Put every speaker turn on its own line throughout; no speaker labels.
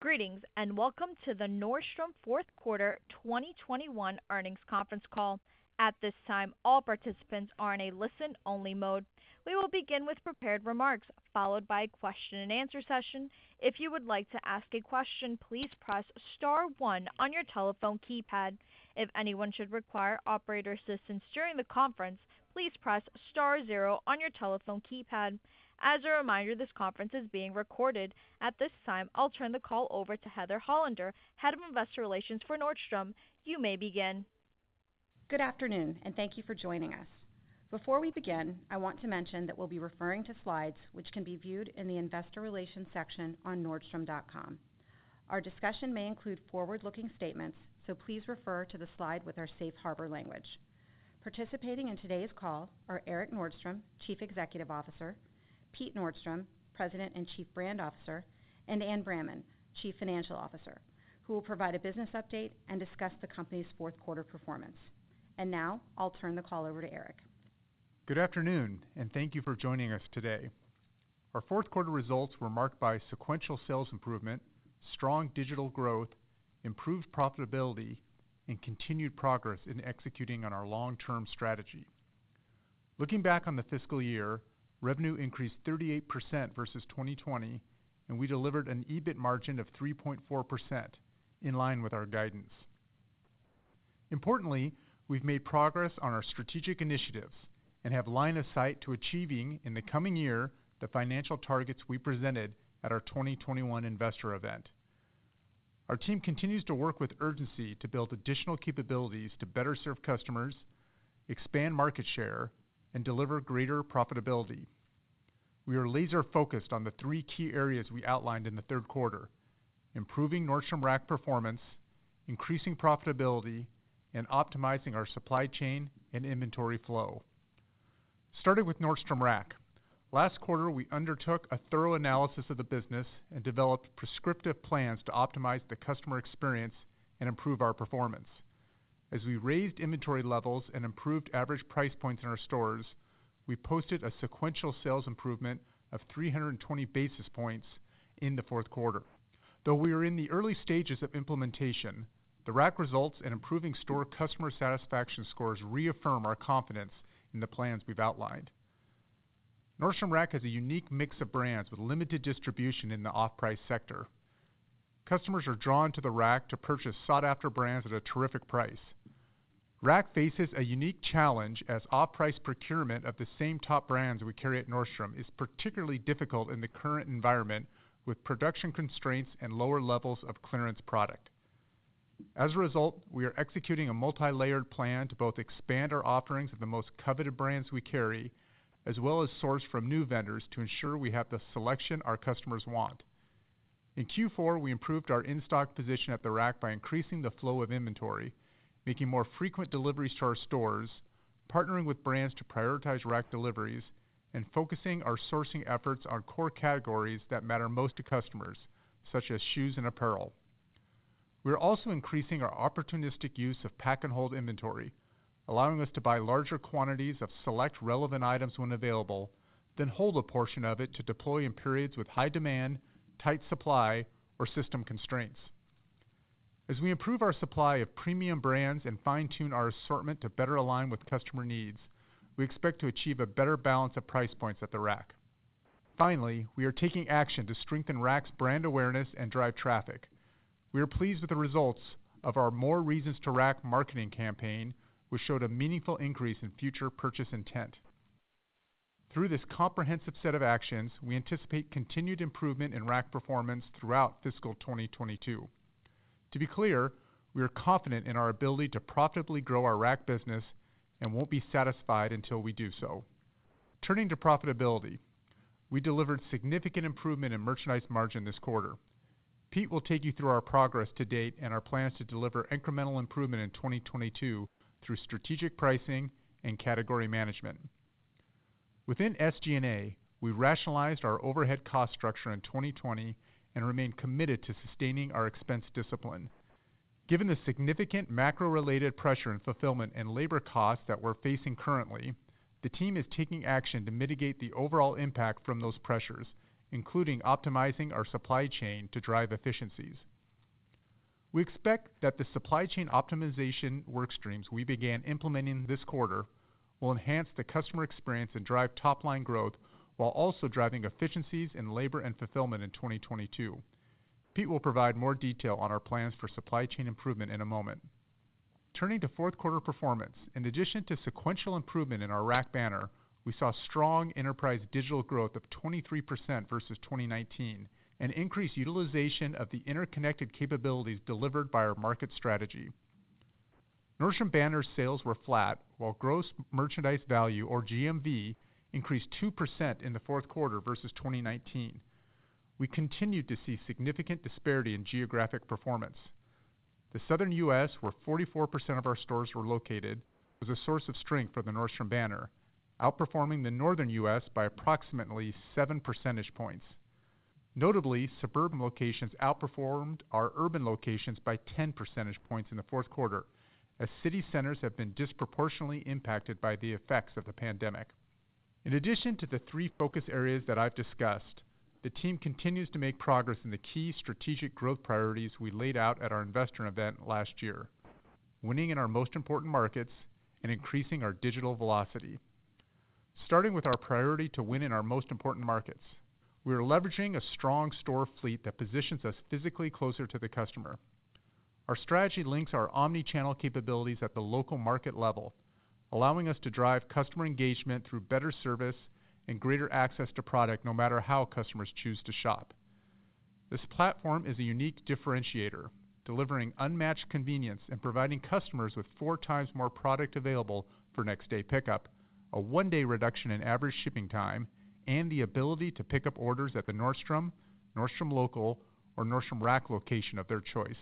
Greetings, and welcome to the Nordstrom fourth quarter 2021 earnings conference call. At this time, all participants are in a listen-only mode. We will begin with prepared remarks, followed by a question-and-answer session. If you would like to ask a question, please press star one on your telephone keypad. If anyone should require operator assistance during the conference, please press star zero on your telephone keypad. As a reminder, this conference is being recorded. At this time, I'll turn the call over to Heather Hollander, Head of Investor Relations for Nordstrom. You may begin.
Good afternoon, and thank you for joining us. Before we begin, I want to mention that we'll be referring to slides, which can be viewed in the investor relations section on nordstrom.com. Our discussion may include forward-looking statements, so please refer to the slide with our safe harbor language. Participating in today's call are Erik Nordstrom, Chief Executive Officer, Pete Nordstrom, President and Chief Brand Officer, and Anne Bramman, Chief Financial Officer, who will provide a business update and discuss the company's fourth quarter performance. Now I'll turn the call over to Erik.
Good afternoon, and thank you for joining us today. Our fourth quarter results were marked by sequential sales improvement, strong digital growth, improved profitability, and continued progress in executing on our long-term strategy. Looking back on the fiscal year, revenue increased 38% versus 2020, and we delivered an EBIT margin of 3.4% in line with our guidance. Importantly, we've made progress on our strategic initiatives and have line of sight to achieving in the coming year the financial targets we presented at our 2021 investor event. Our team continues to work with urgency to build additional capabilities to better serve customers, expand market share, and deliver greater profitability. We are laser-focused on the three key areas we outlined in the third quarter, improving Nordstrom Rack performance, increasing profitability, and optimizing our supply chain and inventory flow. Starting with Nordstrom Rack. Last quarter, we undertook a thorough analysis of the business and developed prescriptive plans to optimize the customer experience and improve our performance. As we raised inventory levels and improved average price points in our stores, we posted a sequential sales improvement of 320 basis points in the fourth quarter. Though we are in the early stages of implementation, the Rack results and improving store customer satisfaction scores reaffirm our confidence in the plans we've outlined. Nordstrom Rack has a unique mix of brands with limited distribution in the off-price sector. Customers are drawn to the Rack to purchase sought-after brands at a terrific price. Rack faces a unique challenge as off-price procurement of the same top brands we carry at Nordstrom is particularly difficult in the current environment, with production constraints and lower levels of clearance product. As a result, we are executing a multi-layered plan to both expand our offerings of the most coveted brands we carry, as well as source from new vendors to ensure we have the selection our customers want. In Q4 we improved our in-stock position at the Rack by increasing the flow of inventory, making more frequent deliveries to our stores, partnering with brands to prioritize Rack deliveries, and focusing our sourcing efforts on core categories that matter most to customers, such as shoes and apparel. We are also increasing our opportunistic use of pack and hold inventory, allowing us to buy larger quantities of select relevant items when available, then hold a portion of it to deploy in periods with high demand, tight supply or system constraints. As we improve our supply of premium brands and fine-tune our assortment to better align with customer needs, we expect to achieve a better balance of price points at the Rack. Finally, we are taking action to strengthen Rack's brand awareness and drive traffic. We are pleased with the results of our More Reasons to Rack marketing campaign, which showed a meaningful increase in future purchase intent. Through this comprehensive set of actions, we anticipate continued improvement in Rack performance throughout fiscal 2022. To be clear, we are confident in our ability to profitably grow our Rack business and won't be satisfied until we do so. Turning to profitability, we delivered significant improvement in merchandise margin this quarter. Pete will take you through our progress to date and our plans to deliver incremental improvement in 2022 through strategic pricing and category management. Within SG&A, we rationalized our overhead cost structure in 2020 and remain committed to sustaining our expense discipline. Given the significant macro-related pressure and fulfillment and labor costs that we're facing currently, the team is taking action to mitigate the overall impact from those pressures, including optimizing our supply chain to drive efficiencies. We expect that the supply chain optimization work streams we began implementing this quarter will enhance the customer experience and drive top line growth while also driving efficiencies in labor and fulfillment in 2022. Pete will provide more detail on our plans for supply chain improvement in a moment. Turning to fourth quarter performance. In addition to sequential improvement in our Rack banner, we saw strong enterprise digital growth of 23% versus 2019 and increased utilization of the interconnected capabilities delivered by our market strategy. Nordstrom banner sales were flat, while gross merchandise value, or GMV, increased 2% in the fourth quarter versus 2019. We continued to see significant disparity in geographic performance. The Southern U.S., where 44% of our stores were located, was a source of strength for the Nordstrom banner, outperforming the Northern U.S. by approximately 7 percentage points. Notably, suburban locations outperformed our urban locations by 10 percentage points in the fourth quarter, as city centers have been disproportionately impacted by the effects of the pandemic. In addition to the three focus areas that I've discussed, the team continues to make progress in the key strategic growth priorities we laid out at our investor event last year, winning in our most important markets and increasing our digital velocity. Starting with our priority to win in our most important markets, we are leveraging a strong store fleet that positions us physically closer to the customer. Our strategy links our omni-channel capabilities at the local market level, allowing us to drive customer engagement through better service and greater access to product, no matter how customers choose to shop. This platform is a unique differentiator, delivering unmatched convenience and providing customers with four times more product available for next-day pickup, a one-day reduction in average shipping time, and the ability to pick up orders at the Nordstrom Local, or Nordstrom Rack location of their choice.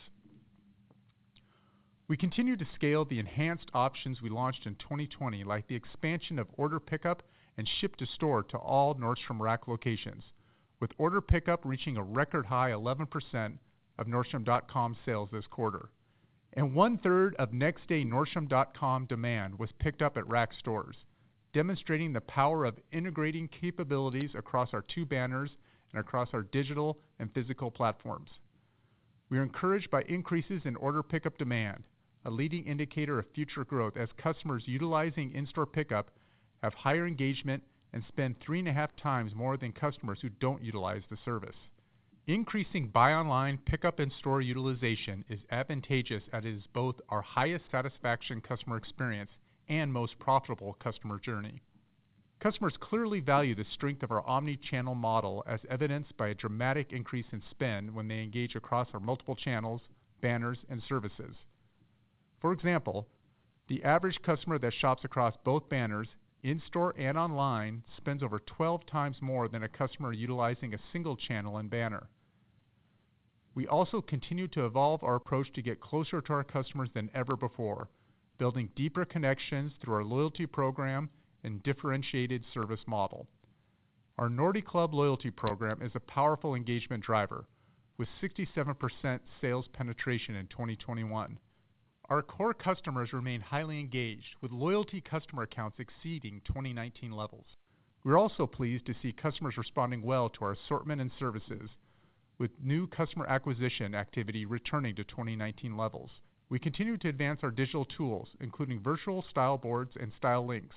We continue to scale the enhanced options we launched in 2020, like the expansion of order pickup and ship to store to all Nordstrom Rack locations, with order pickup reaching a record high 11% of nordstrom.com sales this quarter. A 1/3 of next-day nordstrom.com demand was picked up at Rack stores, demonstrating the power of integrating capabilities across our two banners and across our digital and physical platforms. We are encouraged by increases in order pickup demand, a leading indicator of future growth as customers utilizing in-store pickup have higher engagement and spend 3.5x more than customers who don't utilize the service. Increasing buy online, pickup in-store utilization is advantageous as it is both our highest satisfaction customer experience and most profitable customer journey. Customers clearly value the strength of our omni-channel model as evidenced by a dramatic increase in spend when they engage across our multiple channels, banners, and services. For example, the average customer that shops across both banners, in-store and online, spends over 12x more than a customer utilizing a single channel and banner. We also continue to evolve our approach to get closer to our customers than ever before, building deeper connections through our loyalty program and differentiated service model. Our Nordy Club loyalty program is a powerful engagement driver with 67% sales penetration in 2021. Our core customers remain highly engaged with loyalty customer accounts exceeding 2019 levels. We're also pleased to see customers responding well to our assortment and services with new customer acquisition activity returning to 2019 levels. We continue to advance our digital tools, including virtual style boards and style links,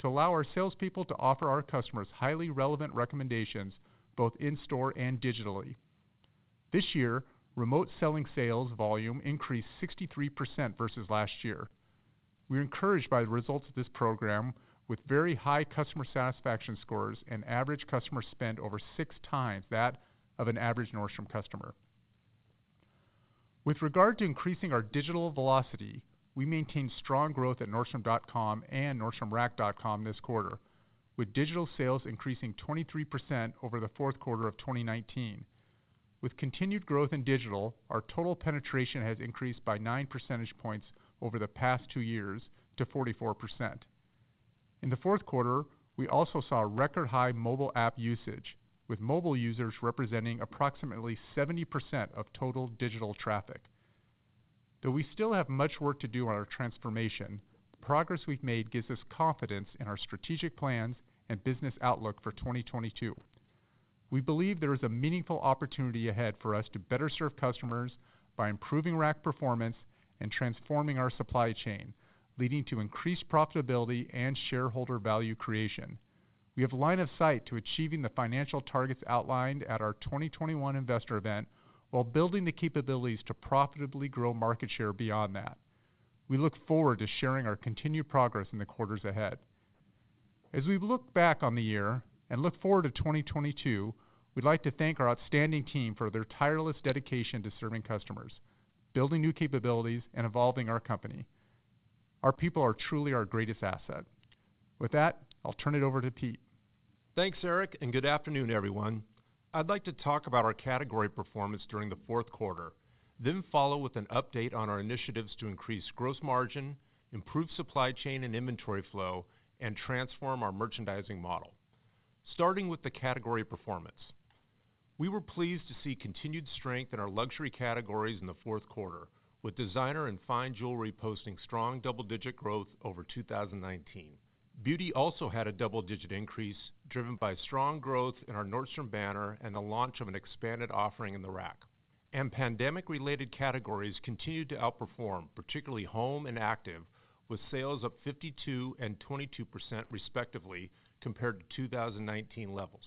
to allow our salespeople to offer our customers highly relevant recommendations, both in-store and digitally. This year, remote selling sales volume increased 63% versus last year. We're encouraged by the results of this program with very high customer satisfaction scores and average customer spend over 6x that of an average Nordstrom customer. With regard to increasing our digital velocity, we maintained strong growth at nordstrom.com and nordstromrack.com this quarter, with digital sales increasing 23% over the fourth quarter of 2019. With continued growth in digital, our total penetration has increased by nine percentage points over the past two years to 44%. In the fourth quarter, we also saw a record high mobile app usage, with mobile users representing approximately 70% of total digital traffic. Though we still have much work to do on our transformation, the progress we've made gives us confidence in our strategic plans and business outlook for 2022. We believe there is a meaningful opportunity ahead for us to better serve customers by improving Rack performance and transforming our supply chain, leading to increased profitability and shareholder value creation. We have line of sight to achieving the financial targets outlined at our 2021 investor event while building the capabilities to profitably grow market share beyond that. We look forward to sharing our continued progress in the quarters ahead. As we look back on the year and look forward to 2022, we'd like to thank our outstanding team for their tireless dedication to serving customers, building new capabilities, and evolving our company. Our people are truly our greatest asset. With that, I'll turn it over to Pete.
Thanks, Erik, and good afternoon, everyone. I'd like to talk about our category performance during the fourth quarter, then follow with an update on our initiatives to increase gross margin, improve supply chain and inventory flow, and transform our merchandising model. Starting with the category performance. We were pleased to see continued strength in our luxury categories in the fourth quarter, with designer and fine jewelry posting strong double-digit growth over 2019. Beauty also had a double-digit increase driven by strong growth in our Nordstrom banner and the launch of an expanded offering in the Rack. Pandemic-related categories continued to outperform, particularly home and active, with sales up 52% and 22%, respectively, compared to 2019 levels.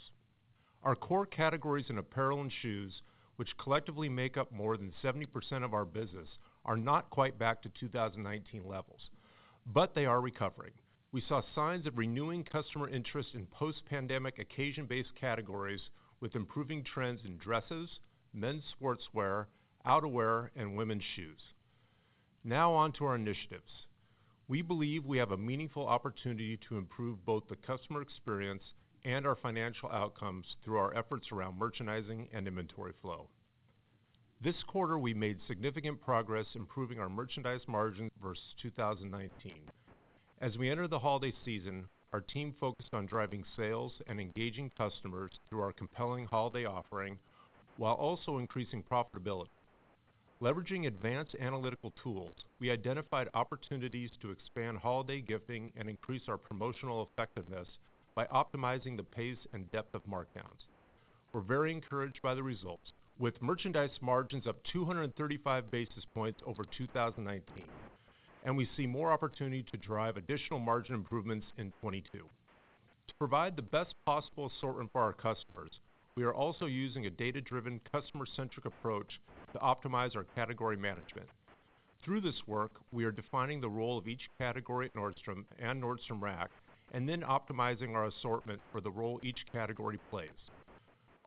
Our core categories in apparel and shoes, which collectively make up more than 70% of our business, are not quite back to 2019 levels, but they are recovering. We saw signs of renewing customer interest in post-pandemic occasion-based categories with improving trends in dresses, men's sportswear, outerwear, and women's shoes. Now on to our initiatives. We believe we have a meaningful opportunity to improve both the customer experience and our financial outcomes through our efforts around merchandising and inventory flow. This quarter, we made significant progress improving our merchandise margin versus 2019. As we entered the holiday season, our team focused on driving sales and engaging customers through our compelling holiday offering while also increasing profitability. Leveraging advanced analytical tools, we identified opportunities to expand holiday gifting and increase our promotional effectiveness by optimizing the pace and depth of markdowns. We're very encouraged by the results, with merchandise margins up 235 basis points over 2019, and we see more opportunity to drive additional margin improvements in 2022. To provide the best possible assortment for our customers, we are also using a data-driven, customer-centric approach to optimize our category management. Through this work, we are defining the role of each category at Nordstrom and Nordstrom Rack, and then optimizing our assortment for the role each category plays.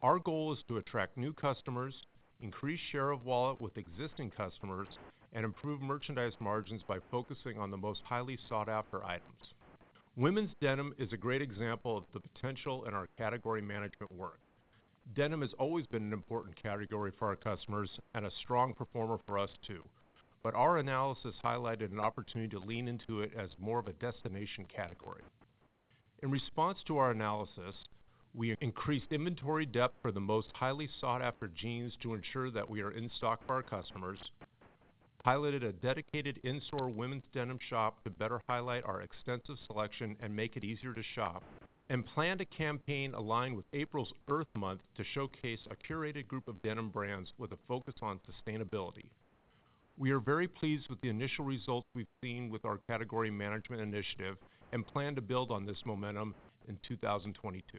Our goal is to attract new customers, increase share of wallet with existing customers, and improve merchandise margins by focusing on the most highly sought-after items. Women's denim is a great example of the potential in our category management work. Denim has always been an important category for our customers and a strong performer for us, too, but our analysis highlighted an opportunity to lean into it as more of a destination category. In response to our analysis, we increased inventory depth for the most highly sought-after jeans to ensure that we are in stock for our customers, piloted a dedicated in-store women's denim shop to better highlight our extensive selection and make it easier to shop, and planned a campaign aligned with April's Earth Month to showcase a curated group of denim brands with a focus on sustainability. We are very pleased with the initial results we've seen with our category management initiative and plan to build on this momentum in 2022.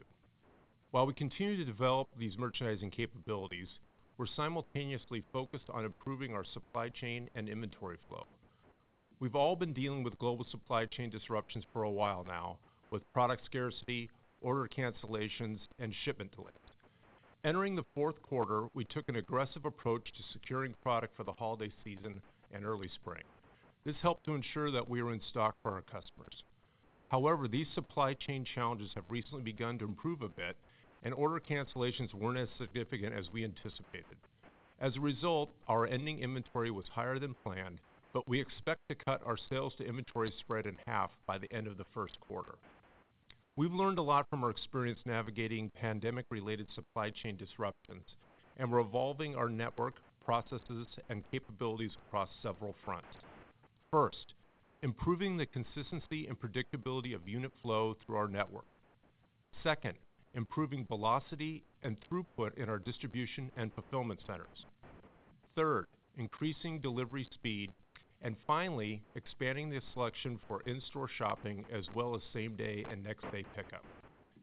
While we continue to develop these merchandising capabilities, we're simultaneously focused on improving our supply chain and inventory flow. We've all been dealing with global supply chain disruptions for a while now, with product scarcity, order cancellations, and shipment delays. Entering the fourth quarter, we took an aggressive approach to securing product for the holiday season and early spring. This helped to ensure that we were in stock for our customers. However, these supply chain challenges have recently begun to improve a bit, and order cancellations weren't as significant as we anticipated. As a result, our ending inventory was higher than planned, but we expect to cut our sales to inventory spread in half by the end of the first quarter. We've learned a lot from our experience navigating pandemic-related supply chain disruptions, and we're evolving our network, processes, and capabilities across several fronts, first improving the consistency and predictability of unit flow through our network, second improving velocity and throughput in our distribution and fulfillment centers. Third, increasing delivery speed. Finally, expanding the selection for in-store shopping as well as same-day and next-day pickup.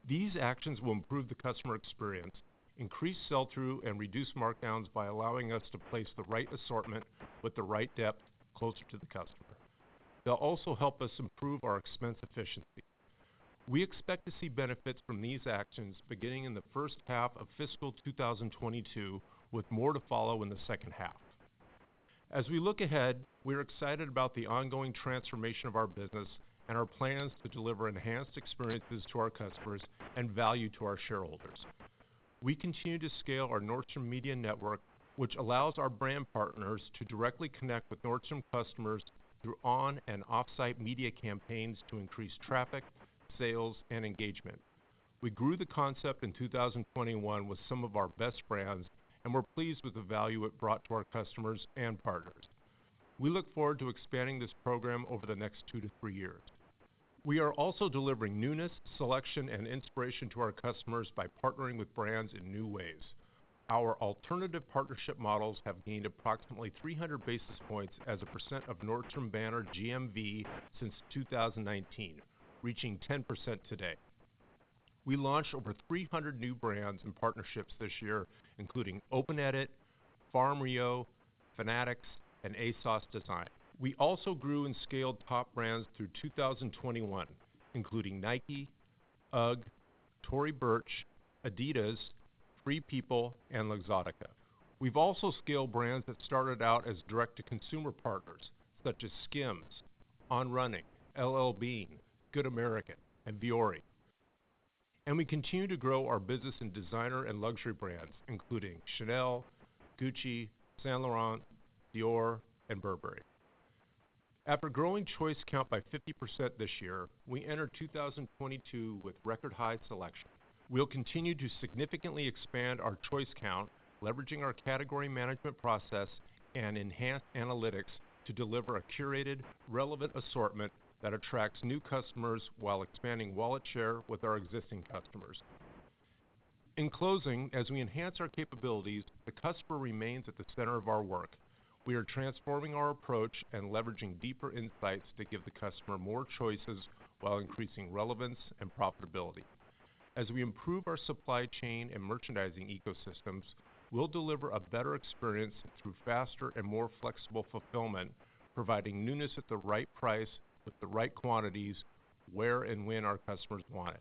These actions will improve the customer experience, increase sell-through, and reduce markdowns by allowing us to place the right assortment with the right depth closer to the customer. They'll also help us improve our expense efficiency. We expect to see benefits from these actions beginning in the first half of fiscal 2022, with more to follow in the second half. As we look ahead, we're excited about the ongoing transformation of our business and our plans to deliver enhanced experiences to our customers and value to our shareholders. We continue to scale our Nordstrom Media Network, which allows our brand partners to directly connect with Nordstrom customers through on- and off-site media campaigns to increase traffic, sales, and engagement. We grew the concept in 2021 with some of our best brands, and we're pleased with the value it brought to our customers and partners. We look forward to expanding this program over the next 2 to 3 years. We are also delivering newness, selection, and inspiration to our customers by partnering with brands in new ways. Our alternative partnership models have gained approximately 300 basis points as a percent of Nordstrom banner GMV since 2019, reaching 10% today. We launched over 300 new brands and partnerships this year, including Open Edit, FARM Rio, Fanatics, and ASOS DESIGN. We also grew and scaled top brands through 2021, including Nike, UGG, Tory Burch, Adidas, Free People, and Luxottica. We've also scaled brands that started out as direct-to-consumer partners, such as SKIMS, On, L.L.Bean, Good American, and Vuori. We continue to grow our business in designer and luxury brands, including Chanel, Gucci, Saint Laurent, Dior, and Burberry. After growing choice count by 50% this year, we enter 2022 with record high selection. We'll continue to significantly expand our choice count, leveraging our category management process and enhanced analytics to deliver a curated, relevant assortment that attracts new customers while expanding wallet share with our existing customers. In closing, as we enhance our capabilities, the customer remains at the center of our work. We are transforming our approach and leveraging deeper insights to give the customer more choices while increasing relevance and profitability. As we improve our supply chain and merchandising ecosystems, we'll deliver a better experience through faster and more flexible fulfillment, providing newness at the right price with the right quantities, where and when our customers want it,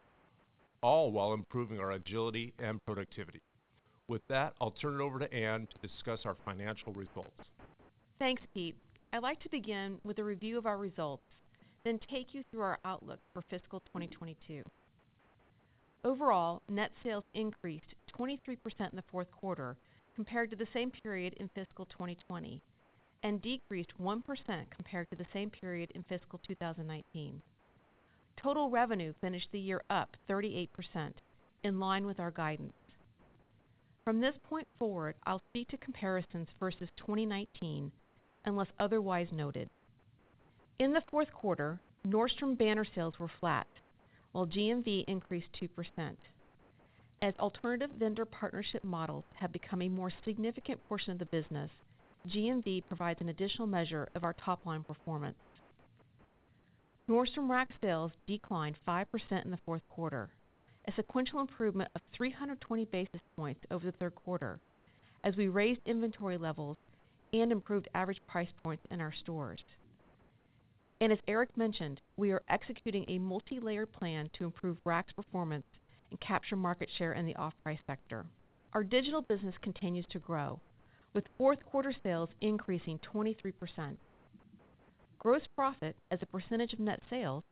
all while improving our agility and productivity. With that, I'll turn it over to Anne to discuss our financial results.
Thanks, Pete. I'd like to begin with a review of our results, then take you through our outlook for fiscal 2022. Overall, net sales increased 23% in the fourth quarter compared to the same period in fiscal 2020, and decreased 1% compared to the same period in fiscal 2019. Total revenue finished the year up 38% in line with our guidance. From this point forward, I'll speak to comparisons versus 2019 unless otherwise noted. In the fourth quarter, Nordstrom banner sales were flat while GMV increased 2%. As alternative vendor partnership models have become a more significant portion of the business, GMV provides an additional measure of our top-line performance. Nordstrom Rack sales declined 5% in the fourth quarter, a sequential improvement of 320 basis points over the third quarter as we raised inventory levels and improved average price points in our stores. As Erik mentioned, we are executing a multilayered plan to improve Rack's performance and capture market share in the off-price sector. Our digital business continues to grow, with fourth-quarter sales increasing 23%. Gross profit as a percentage of net sales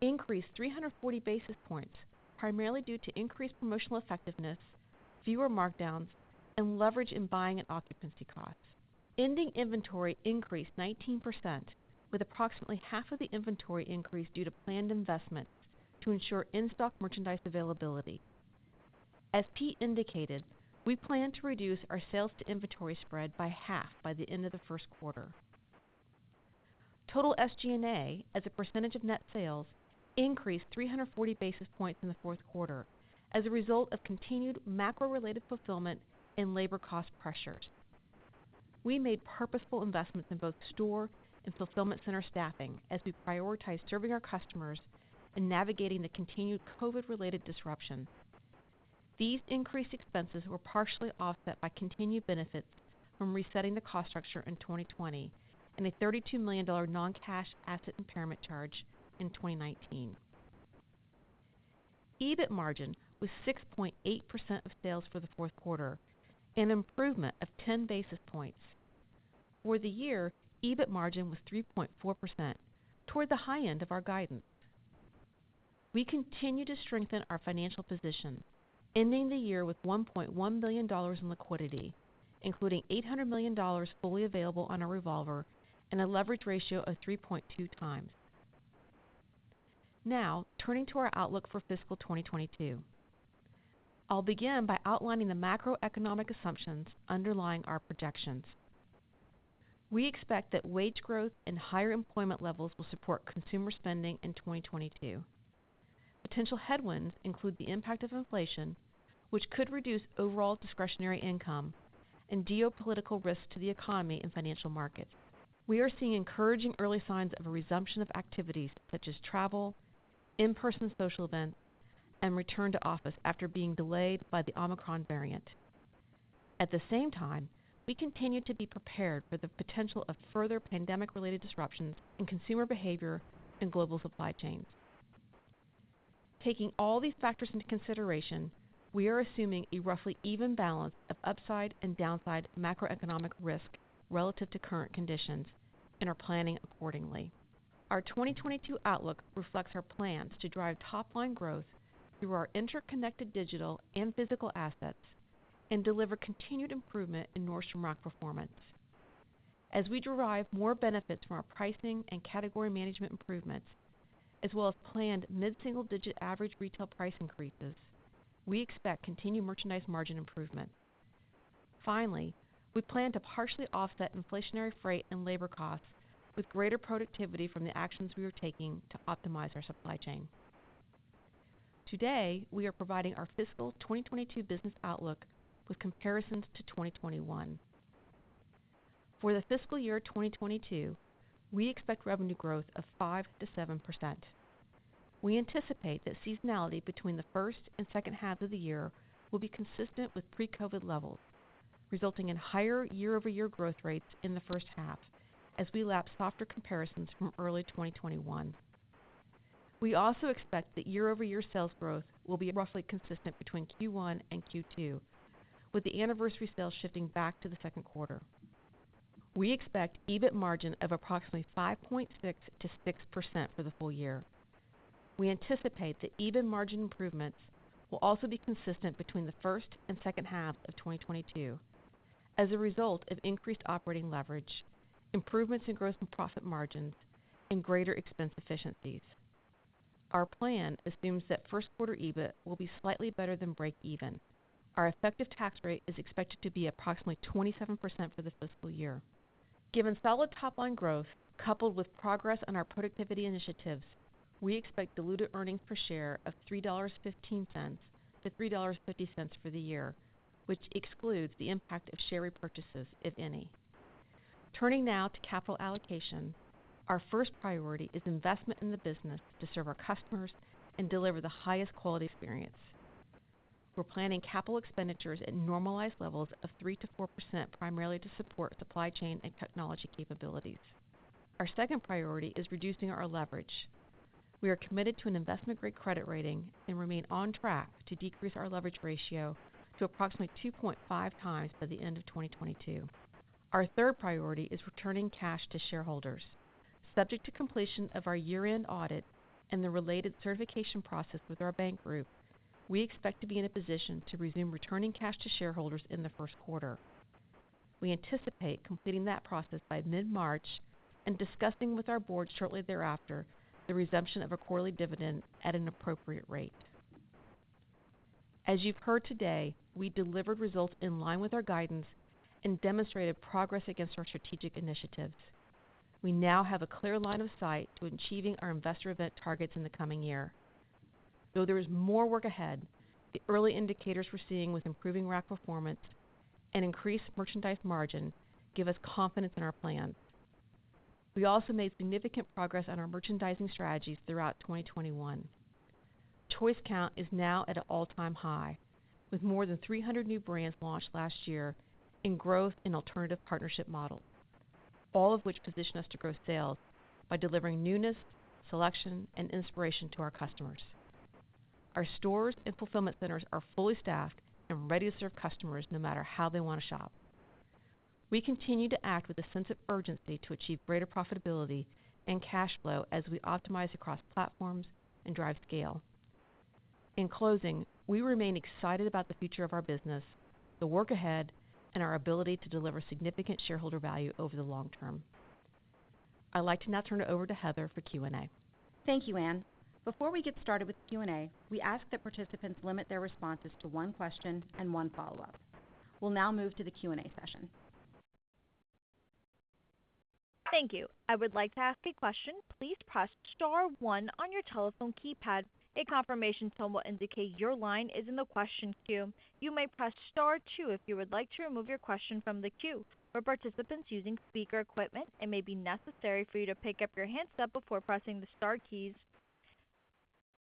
increased 340 basis points, primarily due to increased promotional effectiveness, fewer markdowns, and leverage in buying and occupancy costs. Ending inventory increased 19%, with approximately half of the inventory increase due to planned investment to ensure in-stock merchandise availability. As Pete indicated, we plan to reduce our sales to inventory spread by half by the end of the first quarter. Total SG&A as a percentage of net sales increased 340 basis points in the fourth quarter as a result of continued macro-related fulfillment and labor cost pressures. We made purposeful investments in both store and fulfillment center staffing as we prioritize serving our customers and navigating the continued COVID-related disruptions. These increased expenses were partially offset by continued benefits from resetting the cost structure in 2020 and a $32 million non-cash asset impairment charge in 2019. EBIT margin was 6.8% of sales for the fourth quarter, an improvement of 10 basis points. For the year, EBIT margin was 3.4% toward the high end of our guidance. We continue to strengthen our financial position, ending the year with $1.1 billion in liquidity, including $800 million fully available on our revolver and a leverage ratio of 3.2x. Now turning to our outlook for fiscal 2022. I'll begin by outlining the macroeconomic assumptions underlying our projections. We expect that wage growth and higher employment levels will support consumer spending in 2022. Potential headwinds include the impact of inflation, which could reduce overall discretionary income and geopolitical risk to the economy and financial markets. We are seeing encouraging early signs of a resumption of activities such as travel, in-person social events, and return to office after being delayed by the Omicron variant. At the same time, we continue to be prepared for the potential of further pandemic-related disruptions in consumer behavior and global supply chains. Taking all these factors into consideration, we are assuming a roughly even balance of upside and downside macroeconomic risk relative to current conditions and are planning accordingly. Our 2022 outlook reflects our plans to drive top-line growth through our interconnected digital and physical assets and deliver continued improvement in Nordstrom Rack performance. As we derive more benefits from our pricing and category management improvements, as well as planned mid-single-digit average retail price increases, we expect continued merchandise margin improvement. Finally, we plan to partially offset inflationary freight and labor costs with greater productivity from the actions we are taking to optimize our supply chain. Today, we are providing our fiscal 2022 business outlook with comparisons to 2021. For the fiscal year 2022, we expect revenue growth of 5%-7%. We anticipate that seasonality between the first and second half of the year will be consistent with pre-COVID levels, resulting in higher year-over-year growth rates in the first half as we lap softer comparisons from early 2021. We also expect that year-over-year sales growth will be roughly consistent between Q1 and Q2, with the anniversary sales shifting back to the second quarter. We expect EBIT margin of approximately 5.6% to 6% for the full year. We anticipate that EBIT margin improvements will also be consistent between the first and second half of 2022 as a result of increased operating leverage, improvements in gross profit margins, and greater expense efficiencies. Our plan assumes that first quarter EBIT will be slightly better than break even. Our effective tax rate is expected to be approximately 27% for this fiscal year. Given solid top-line growth coupled with progress on our productivity initiatives, we expect diluted earnings per share of $3.15-$3.50 for the year, which excludes the impact of share repurchases, if any. Turning now to capital allocation. Our first priority is investment in the business to serve our customers and deliver the highest quality experience. We're planning capital expenditures at normalized levels of 3% to 4%, primarily to support supply chain and technology capabilities. Our second priority is reducing our leverage. We are committed to an investment-grade credit rating and remain on track to decrease our leverage ratio to approximately 2.5x by the end of 2022. Our third priority is returning cash to shareholders. Subject to completion of our year-end audit and the related certification process with our bank group, we expect to be in a position to resume returning cash to shareholders in the first quarter. We anticipate completing that process by mid-March and discussing with our board shortly thereafter the resumption of a quarterly dividend at an appropriate rate. As you've heard today, we delivered results in line with our guidance and demonstrated progress against our strategic initiatives. We now have a clear line of sight to achieving our investor event targets in the coming year. Though there is more work ahead, the early indicators we're seeing with improving Rack performance and increased merchandise margin give us confidence in our plans. We also made significant progress on our merchandising strategies throughout 2021. Choice count is now at an all-time high, with more than 300 new brands launched last year in growth in alternative partnership models, all of which position us to grow sales by delivering newness, selection, and inspiration to our customers. Our stores and fulfillment centers are fully staffed and ready to serve customers no matter how they want to shop. We continue to act with a sense of urgency to achieve greater profitability and cash flow as we optimize across platforms and drive scale. In closing, we remain excited about the future of our business, the work ahead, and our ability to deliver significant shareholder value over the long term. I'd like to now turn it over to Heather for Q&A.
Thank you, Anne. Before we get started with Q&A, we ask that participants limit their responses to one question and one follow-up. We'll now move to the Q&A session.
Thank you. I would like to ask a question. Please press star one on your telephone keypad. A confirmation tone will indicate your line is in the questions queue. You may press star two if you would like to remove your question from the queue. For participants using speaker equipment, it may be necessary for you to pick up your handset before pressing the star keys.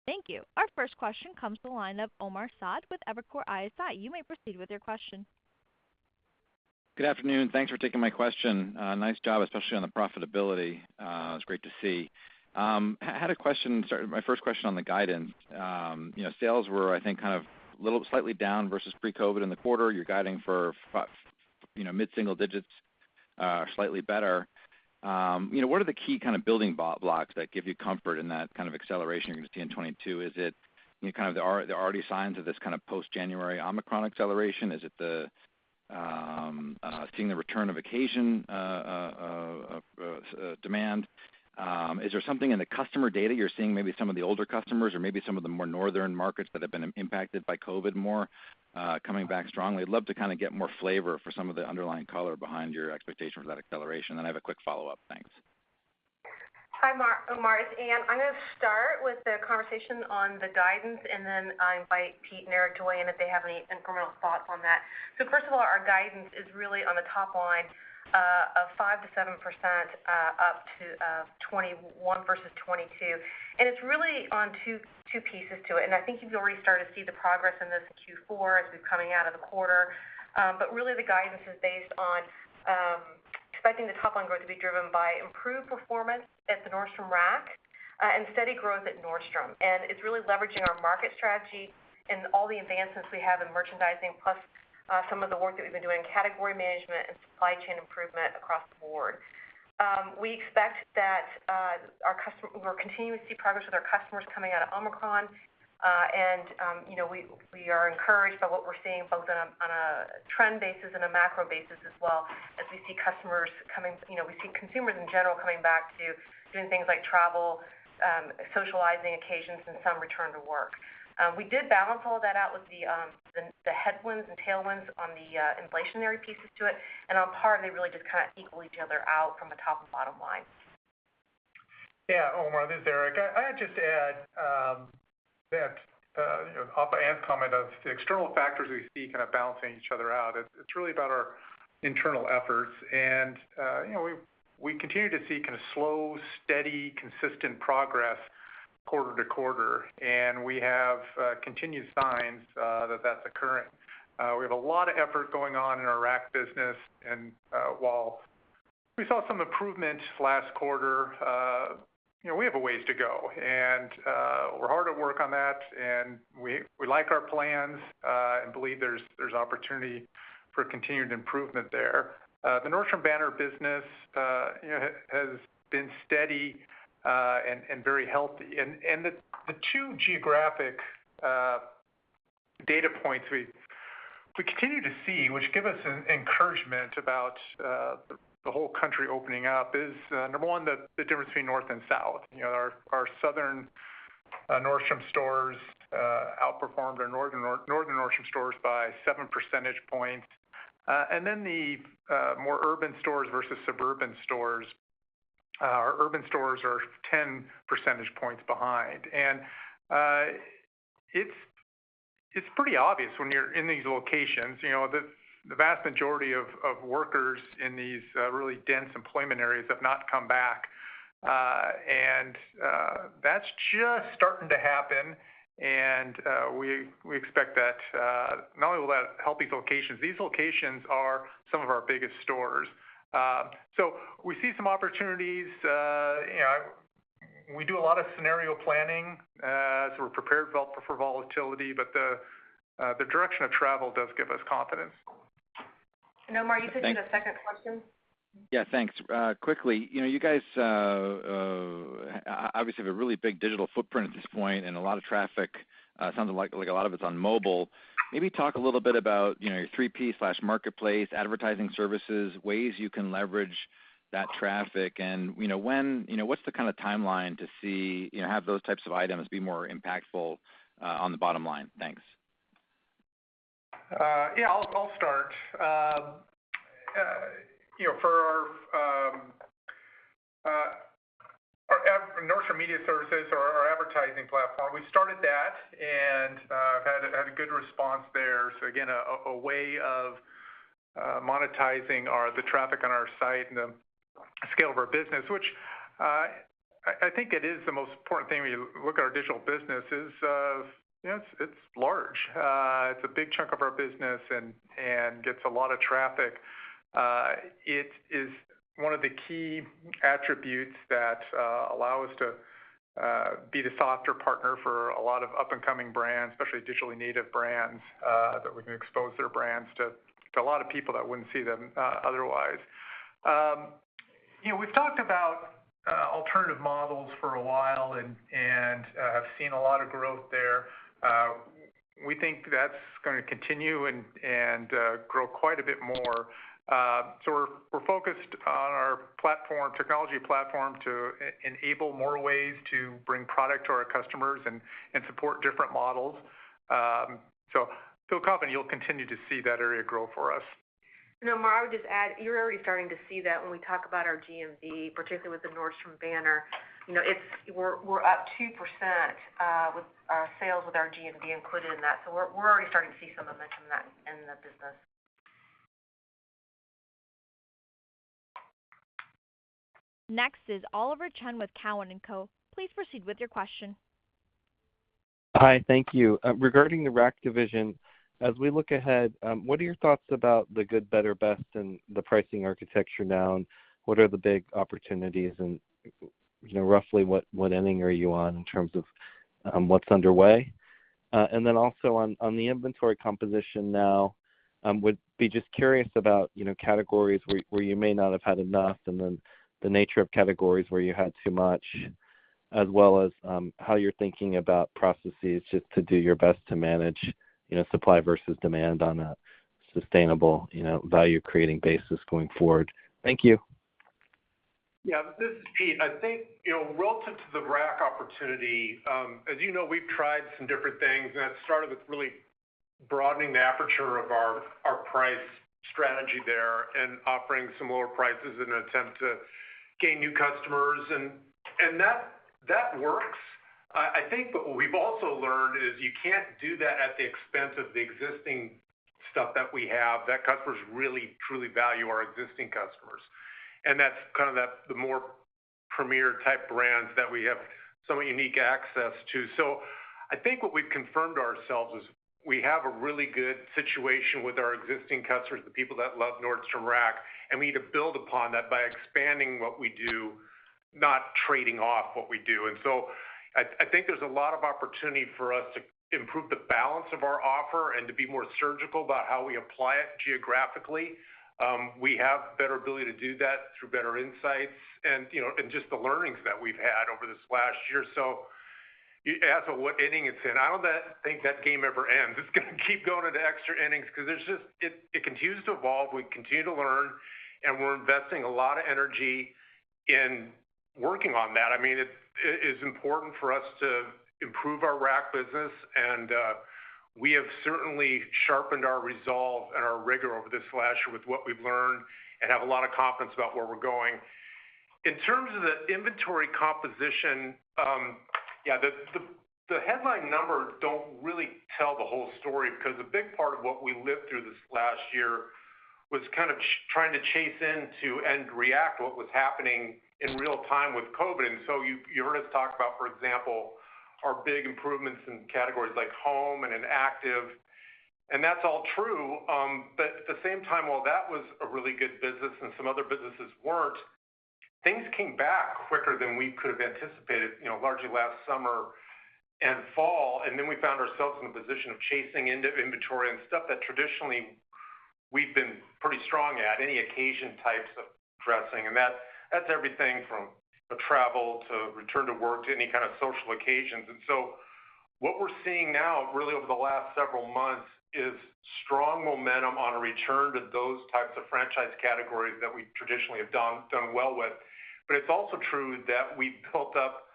Thank you. Our first question comes to the line of Omar Saad with Evercore ISI. You may proceed with your question.
Good afternoon. Thanks for taking my question. Nice job, especially on the profitability. It's great to see. My first question on the guidance. Sales were, I think, slightly down versus pre-COVID in the quarter. You're guiding for mid-single digits, slightly better. What are the key kind of building blocks that give you comfort in that kind of acceleration you're gonna see in 2022? Is it kind of there are already signs of this kind of post-January Omicron acceleration? Is it the seeing the return of occasion demand? Is there something in the customer data you're seeing, maybe some of the older customers or maybe some of the more northern markets that have been impacted by COVID more, coming back strongly? I'd love to kind of get more flavor for some of the underlying color behind your expectation for that acceleration. Then I have a quick follow-up. Thanks.
Hi, Omar. It's Anne. I'm gonna start with the conversation on the guidance, and then I invite Pete and Erik to weigh in if they have any incremental thoughts on that. First of all, our guidance is really on the top line of 5% to 7% up to 2021 versus 2022. It's really on two pieces to it. I think you can already start to see the progress in this Q4 as we're coming out of the quarter. But really the guidance is based on expecting the top line growth to be driven by improved performance at the Nordstrom Rack and steady growth at Nordstrom. It's really leveraging our market strategy and all the advancements we have in merchandising, plus, some of the work that we've been doing in category management and supply chain improvement across the board. We expect that we're continuing to see progress with our customers coming out of Omicron. You know, we are encouraged by what we're seeing both on a trend basis and a macro basis as well as we see customers coming. You know, we see consumers in general coming back to doing things like travel, socializing occasions, and some return to work. We did balance all of that out with the headwinds and tailwinds on the inflationary pieces to it, and on par, they really just kind of equal each other out from a top and bottom line.
Yeah, Omar, this is Erik. I just add that off of Anne's comment of the external factors we see kind of balancing each other out. It's really about our internal efforts. You know, we continue to see kind of slow, steady, consistent progress quarter to quarter, and we have continued signs that that's occurring. We have a lot of effort going on in our Rack business. While we saw some improvement last quarter, you know, we have a ways to go. We're hard at work on that, and we like our plans and believe there's opportunity for continued improvement there. The Nordstrom banner business, you know, has been steady and very healthy. The two geographic data points we continue to see, which give us encouragement about the whole country opening up is number one, the difference between North and South. You know, our southern Nordstrom stores outperformed our northern Nordstrom stores by 7 percentage points. Then the more urban stores versus suburban stores. Our urban stores are 10 percentage points behind. It's pretty obvious when you're in these locations. You know, the vast majority of workers in these really dense employment areas have not come back. That's just starting to happen. We expect that not only will that help these locations. These locations are some of our biggest stores. We see some opportunities. You know, we do a lot of scenario planning. We're prepared well for volatility, but the direction of travel does give us confidence.
Omar, you said you had a second question.
Yeah. Thanks. Quickly, you know, you guys obviously have a really big digital footprint at this point and a lot of traffic. Sounds like a lot of it's on mobile. Maybe talk a little bit about, you know, your 3P slash marketplace, advertising services, ways you can leverage that traffic and, you know, what's the kind of timeline to see, you know, have those types of items be more impactful on the bottom line. Thanks.
Yeah. I'll start. You know, for Nordstrom Media Network or our advertising platform, we started that and had a good response there. Again, a way of monetizing the traffic on our site and the scale of our business, which I think it is the most important thing when you look at our digital business is, you know, it's large. It's a big chunk of our business and gets a lot of traffic. It is one of the key attributes that allow us to be the sought-after partner for a lot of up-and-coming brands, especially digitally native brands, that we can expose their brands to a lot of people that wouldn't see them otherwise. You know, we've talked about alternative models for a while and have seen a lot of growth there. We think that's gonna continue and grow quite a bit more. We're focused on our platform, technology platform to e-enable more ways to bring product to our customers and support different models. We feel confident you'll continue to see that area grow for us.
You know, Mark, I would just add, you're already starting to see that when we talk about our GMV, particularly with the Nordstrom banner. You know, we're up 2% with our sales, with our GMV included in that. We're already starting to see some of the momentum in that, in the business.
Next is Oliver Chen with Cowen and Co. Please proceed with your question.
Hi. Thank you. Regarding the Rack division, as we look ahead, what are your thoughts about the good, better, best and the pricing architecture now, and what are the big opportunities and, you know, roughly what inning are you on in terms of what's underway? Also on the inventory composition now, I would be just curious about, you know, categories where you may not have had enough, and then the nature of categories where you had too much, as well as how you're thinking about processes just to do your best to manage, you know, supply versus demand on a sustainable, you know, value-creating basis going forward. Thank you.
Yeah. This is Pete. I think, you know, relative to the Rack opportunity, as you know, we've tried some different things, and it started with really broadening the aperture of our price strategy there and offering some lower prices in an attempt to gain new customers and that works. I think what we've also learned is you can't do that at the expense of the existing stuff that we have, that customers really truly value our existing customers, and that's kind of the more premier type brands that we have some unique access to. I think what we've confirmed ourselves is we have a really good situation with our existing customers, the people that love Nordstrom Rack, and we need to build upon that by expanding what we do, not trading off what we do. I think there's a lot of opportunity for us to improve the balance of our offer and to be more surgical about how we apply it geographically. We have better ability to do that through better insights and, you know, and just the learnings that we've had over this last year. As to what inning it's in, I don't think that game ever ends. It's gonna keep going into extra innings 'cause there's just it continues to evolve. We continue to learn, and we're investing a lot of energy in working on that. I mean, it is important for us to improve our Rack business, and we have certainly sharpened our resolve and our rigor over this last year with what we've learned and have a lot of confidence about where we're going. In terms of the inventory composition, yeah, the headline numbers don't really tell the whole story because a big part of what we lived through this last year was kind of trying to chase into and react what was happening in real time with COVID. You heard us talk about, for example, our big improvements in categories like home and in active, and that's all true. But at the same time, while that was a really good business and some other businesses weren't, things came back quicker than we could have anticipated, you know, largely last summer and fall, and then we found ourselves in the position of chasing into inventory and stuff that traditionally we've been pretty strong at, any occasion types of dressing. That's everything from travel to return to work to any kind of social occasions. What we're seeing now, really over the last several months, is strong momentum on a return to those types of franchise categories that we traditionally have done well with. It's also true that we built up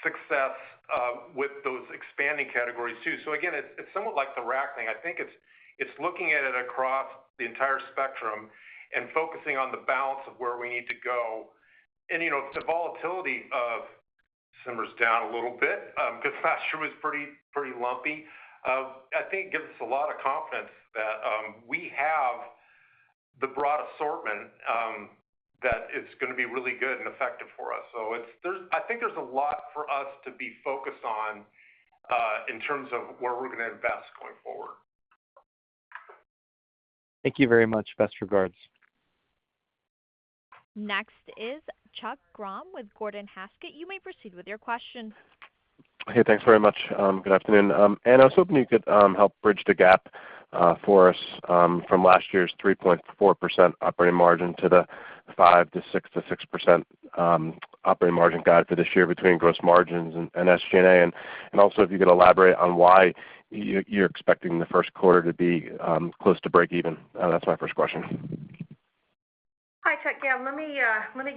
success with those expanding categories too. Again, it's somewhat like the Rack thing. I think it's looking at it across the entire spectrum and focusing on the balance of where we need to go. You know, if the volatility simmers down a little bit, 'cause last year was pretty lumpy, I think it gives us a lot of confidence that we have the broad assortment that it's gonna be really good and effective for us. I think there's a lot for us to be focused on in terms of where we're gonna invest going forward.
Thank you very much. Best regards.
Next is Chuck Grom with Gordon Haskett. You may proceed with your question.
Hey, thanks very much. Good afternoon. Anne, I was hoping you could help bridge the gap for us from last year's 3.4% operating margin to the 5% to 6% operating margin guide for this year between gross margins and SG&A. Also, if you could elaborate on why you're expecting the first quarter to be close to break even. That's my first question.
Hi, Chuck. Yeah, let me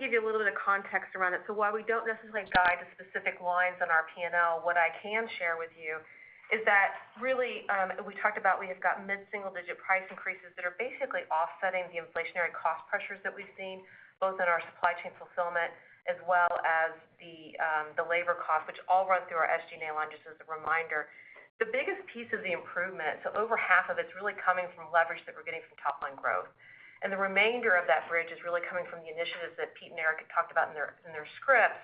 give you a little bit of context around it. While we don't necessarily guide the specific lines on our P&L, what I can share with you is that really, we talked about we have got mid-single digit price increases that are basically offsetting the inflationary cost pressures that we've seen, both in our supply chain fulfillment as well as the labor costs, which all run through our SG&A line, just as a reminder. The biggest piece of the improvement, so over half of it's really coming from leverage that we're getting from top line growth. The remainder of that bridge is really coming from the initiatives that Pete and Erik had talked about in their scripts,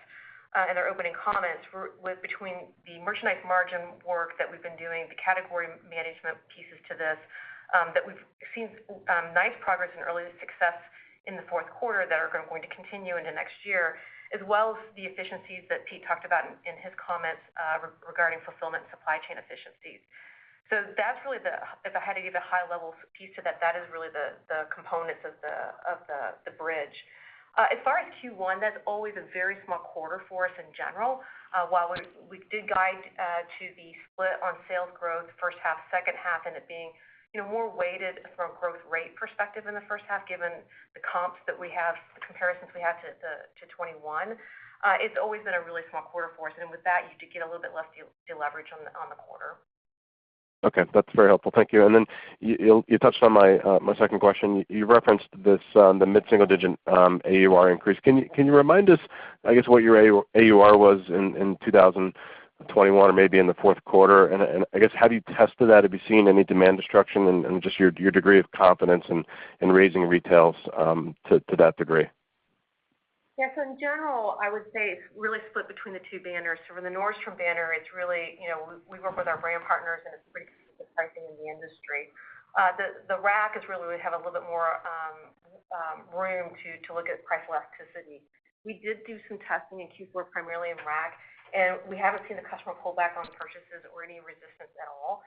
in their opening comments with between the merchandise margin work that we've been doing, the category management pieces to this, that we've seen nice progress and early success in the fourth quarter that are going to continue into next year, as well as the efficiencies that Pete talked about in his comments regarding fulfillment and supply chain efficiencies. That's really the components of the bridge. As far as Q1, that's always a very small quarter for us in general. While we did guide to the split on sales growth first half, second half, and it being, you know, more weighted from a growth rate perspective in the first half, given the comps that we have, the comparisons we have to 2021, it's always been a really small quarter for us. With that, you do get a little bit less leverage on the quarter.
Okay, that's very helpful. Thank you. You touched on my second question. You referenced this, the mid-single digit AUR increase. Can you remind us, I guess, what your AUR was in 2021 or maybe in the fourth quarter? I guess, how do you test for that? Have you seen any demand destruction? Just your degree of confidence in raising retails to that degree.
Yeah. In general, I would say it's really split between the two banners. For the Nordstrom banner, it's really, you know, we work with our brand partners, and it's pretty consistent pricing in the industry. The Rack is really we have a little bit more room to look at price elasticity. We did do some testing in Q4, primarily in Rack, and we haven't seen the customer pull back on purchases or any resistance at all.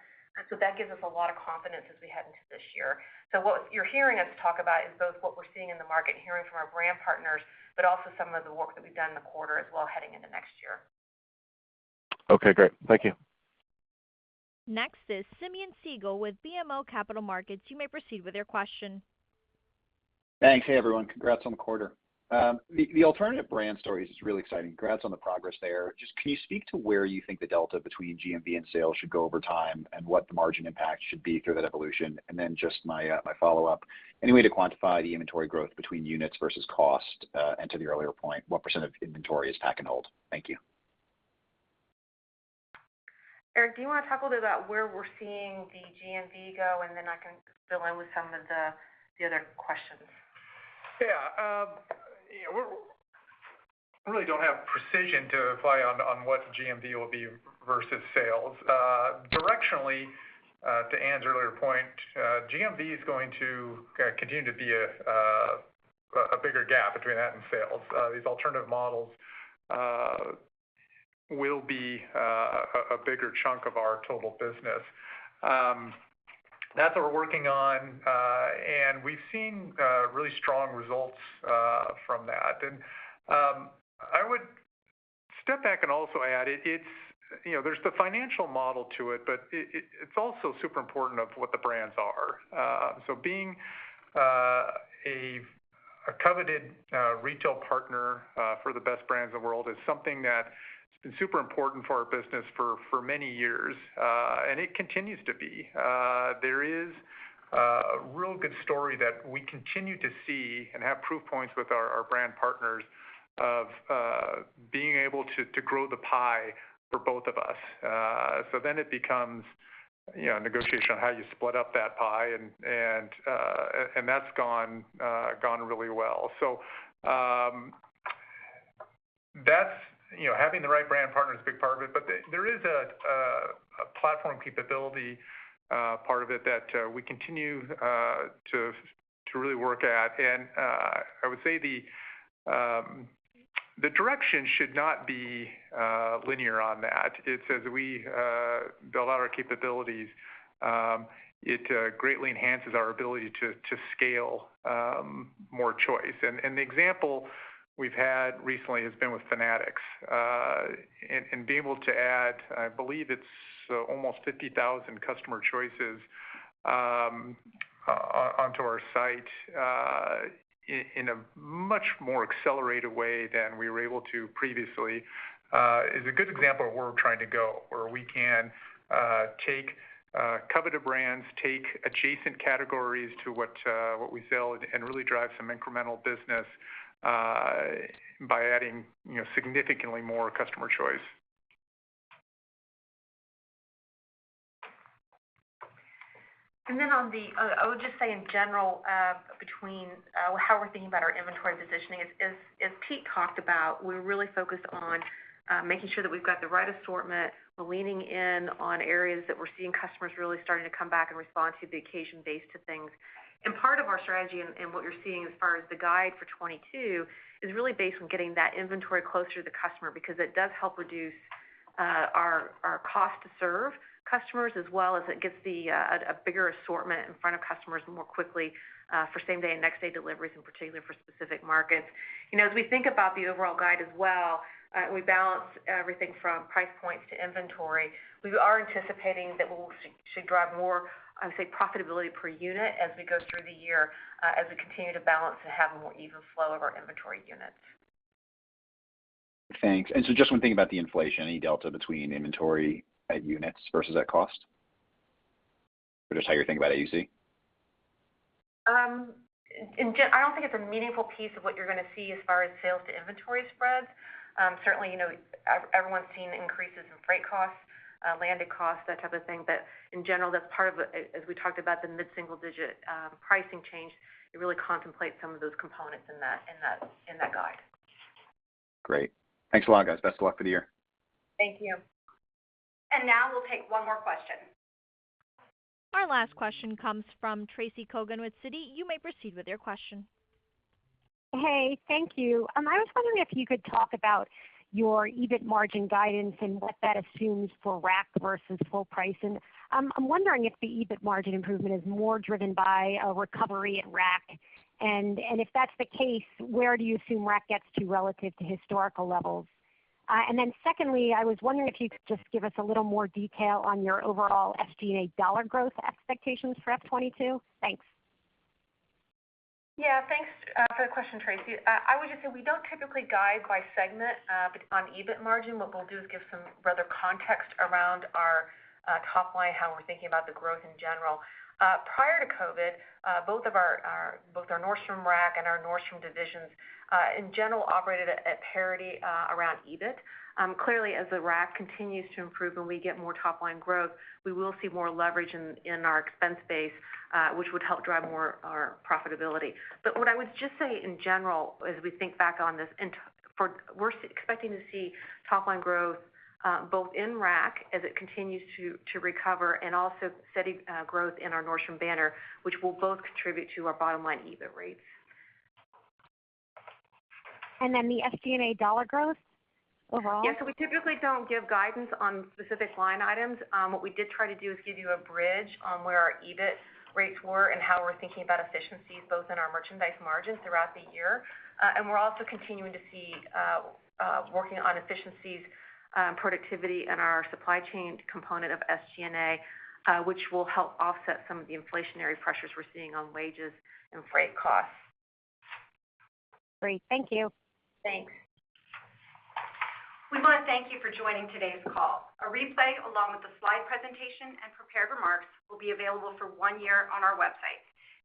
That gives us a lot of confidence as we head into this year. What you're hearing us talk about is both what we're seeing in the market and hearing from our brand partners, but also some of the work that we've done in the quarter as well heading into next year.
Okay, great. Thank you.
Next is Simeon Siegel with BMO Capital Markets. You may proceed with your question.
Thanks. Hey, everyone. Congrats on the quarter. The alternative brand story is just really exciting. Congrats on the progress there. Just can you speak to where you think the delta between GMV and sales should go over time and what the margin impact should be through that evolution? Just my follow-up, any way to quantify the inventory growth between units versus cost, and to the earlier point, what percent of inventory is pack and hold? Thank you.
Erik, do you wanna talk a little about where we're seeing the GMV go, and then I can fill in with some of the other questions.
Yeah. You know, we really don't have precision to apply on what the GMV will be versus sales. Directionally, to Anne's earlier point, GMV is going to kinda continue to be a bigger gap between that and sales. These alternative models will be a bigger chunk of our total business. That's what we're working on, and we've seen really strong results from that. I would step back and also add it. It's... You know, there's the financial model to it, but it's also super important of what the brands are. So being a coveted retail partner for the best brands in the world is something that's been super important for our business for many years. And it continues to be. There is a real good story that we continue to see and have proof points with our brand partners of being able to grow the pie for both of us. It becomes, you know, a negotiation on how you split up that pie and that's gone really well. That's you know, having the right brand partner is a big part of it, but there is a platform capability part of it that we continue to really work at. I would say the direction should not be linear on that. It's as we build out our capabilities, it greatly enhances our ability to scale more choice. The example we've had recently has been with Fanatics. Being able to add, I believe it's almost 50,000 customer choices onto our site in a much more accelerated way than we were able to previously is a good example of where we're trying to go, where we can take coveted brands, take adjacent categories to what we sell and really drive some incremental business by adding, you know, significantly more customer choice.
I would just say in general, between how we're thinking about our inventory positioning is about, we're really focused on making sure that we've got the right assortment. We're leaning in on areas that we're seeing customers really starting to come back and respond to the occasion-based things. Part of our strategy and what you're seeing as far as the guide for 2022 is really based on getting that inventory closer to the customer because it does help reduce our cost to serve customers as well as it gets a bigger assortment in front of customers more quickly for same-day and next-day deliveries, and particularly for specific markets. You know, as we think about the overall guide as well, we balance everything from price points to inventory. We are anticipating that we should drive more, I would say, profitability per unit as we go through the year, as we continue to balance and have a more even flow of our inventory units.
Thanks. Just one thing about the inflation, any delta between inventory at units versus at cost? Or just how you're thinking about it, you see?
I don't think it's a meaningful piece of what you're gonna see as far as sales to inventory spreads. Certainly, you know, everyone's seen increases in freight costs, landed costs, that type of thing. In general, that's part of, as we talked about, the mid-single digit pricing change. It really contemplates some of those components in that guide.
Great. Thanks a lot, guys. Best of luck for the year.
Thank you. Now we'll take one more question. Our last question comes from Tracy Kogan with Citi. You may proceed with your question.
Hey, thank you. I was wondering if you could talk about your EBIT margin guidance and what that assumes for Rack versus full price. I'm wondering if the EBIT margin improvement is more driven by a recovery at Rack. If that's the case, where do you assume Rack gets to relative to historical levels? Secondly, I was wondering if you could just give us a little more detail on your overall SG&A dollar growth expectations for FY 2022. Thanks.
Yeah. Thanks for the question, Tracy. I would just say we don't typically guide by segment, but on EBIT margin, what we'll do is give some color around our top line, how we're thinking about the growth in general. Prior to COVID, both our Nordstrom Rack and our Nordstrom divisions in general operated at parity around EBIT. Clearly, as the Rack continues to improve and we get more top-line growth, we will see more leverage in our expense base, which would help drive more our profitability. What I would just say in general as we think back on this, we're expecting to see top-line growth both in Rack as it continues to recover and also steady growth in our Nordstrom banner, which will both contribute to our bottom line EBIT rates.
The SG&A dollar growth overall?
Yeah. We typically don't give guidance on specific line items. What we did try to do is give you a bridge on where our EBIT rates were and how we're thinking about efficiencies both in our merchandise margins throughout the year. We're also continuing to work on efficiencies, productivity in our supply chain component of SG&A, which will help offset some of the inflationary pressures we're seeing on wages and freight costs.
Great. Thank you.
Thanks. We wanna thank you for joining today's call. A replay, along with the slide presentation and prepared remarks will be available for one year on our website.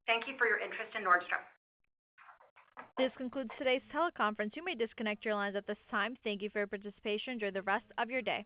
Thank you for your interest in Nordstrom.
This concludes today's teleconference. You may disconnect your lines at this time. Thank you for your participation. Enjoy the rest of your day.